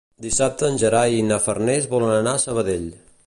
Dissabte en Gerai i na Farners volen anar a Sabadell.